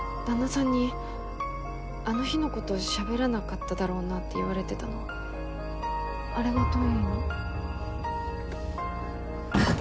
旦那さんに「あの日の事しゃべらなかっただろうな」って言われてたのあれはどういう意味？